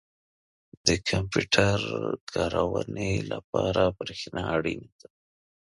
• د کمپیوټر کارونې لپاره برېښنا اړینه ده.